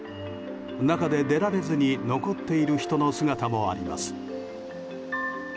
中で、出られずに残っている人の姿もあります。